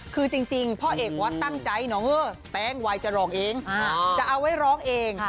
คือจริงพ่อเอกวัดตั้งใจเนาะแป้งไวจะร้องเองจะเอาไว้ร้องเอง